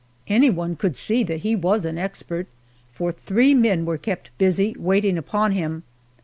Anyone could see that he was an expert, for three men were kept busy waiting upon him.